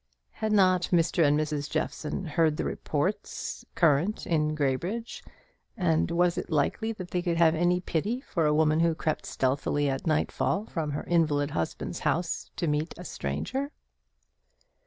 Had not Mr. and Mrs. Jeffson heard the reports current in Graybridge; and was it likely they could have any pity for a woman who crept stealthily at nightfall from her invalid husband's house to meet a stranger?